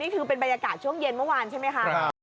คือเป็นบรรยากาศช่วงเย็นเมื่อวานใช่ไหมคะ